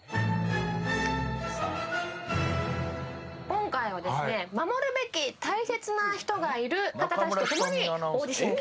「今回はですね守るべき大切な人がいる方たちと共に」